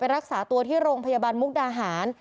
รักษาตัวที่โรงพยาบาลมุกดาหาร